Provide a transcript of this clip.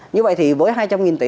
như vậy thì với hai trăm linh tỷ